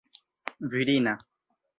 virina